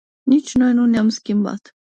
Nici noi nu ne-am schimbat.